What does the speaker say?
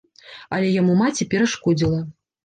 Але яму маці перашкодзіла.